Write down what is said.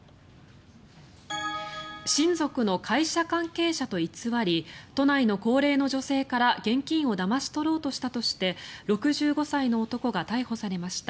親族の会社関係者と偽り都内の高齢の女性から現金をだまし取ろうとしたとして６５歳の男が逮捕されました。